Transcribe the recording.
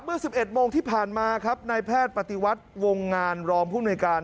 เมื่อสิบเอ็ดโมงที่ผ่านมาครับในแพทย์ปฤติวัติวงงานรองผู้มีอาการ